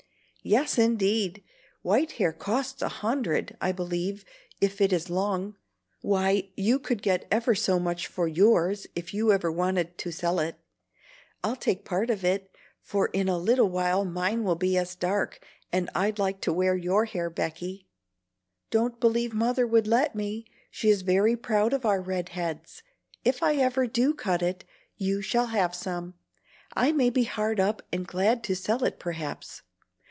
"Yes, indeed. White hair costs a hundred, I believe, if it is long. Why, you could get ever so much for yours if you ever wanted to sell it. I'll take part of it, for in a little while mine will be as dark, and I'd like to wear your hair, Becky." "Don't believe Mother would let me. She is very proud of our red heads. If I ever do cut it, you shall have some. I may be hard up and glad to sell it perhaps.